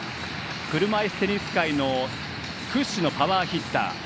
車いすテニス界の屈指のパワーヒッター。